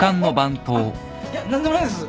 あっいや何でもないです。